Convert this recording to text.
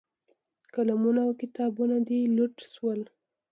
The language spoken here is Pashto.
قلمونه او کتابونه دې لوټ شول.